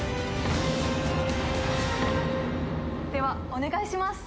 ではお願いします